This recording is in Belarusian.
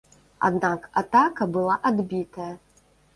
Аднак атака была адбітая.